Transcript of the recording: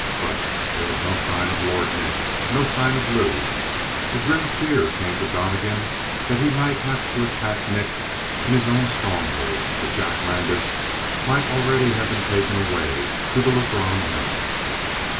But there was no sign of Lord Nick no sign of Lou. A grim fear came to Donnegan that he might have to attack Nick in his own stronghold, for Jack Landis might already have been taken away to the Lebrun house.